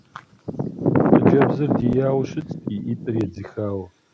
Хъыджэбзыр дияуэ щытт и ӏитӏыр едзыхауэ.